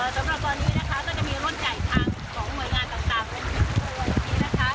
สำหรับตอนนี้นะคะจะมีรถไก่ทางของเหนื่อยงานต่างคนที่ตัวอยู่ที่นี่นะคะ